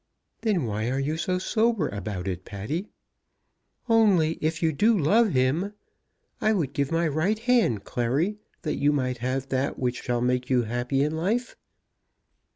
"Then why are you so sober about it, Patty?" "Only if you do love him ! I would give my right hand, Clary, that you might have that which shall make you happy in life."